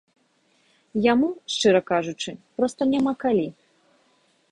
Яму, шчыра кажучы, проста няма калі.